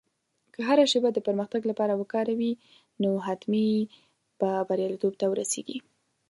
که هره شېبه د پرمختګ لپاره وکاروې، نو حتمي به بریالیتوب ته ورسېږې.